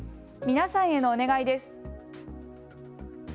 皆さんへのお願いです。